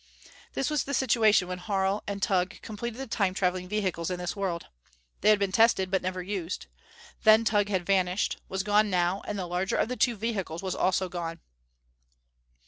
This was the situation when Harl and Tugh completed the Time traveling vehicles in this world. They had been tested, but never used. Then Tugh had vanished; was gone now; and the larger of the two vehicles was also gone.